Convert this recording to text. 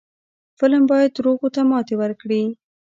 فلم باید دروغو ته ماتې ورکړي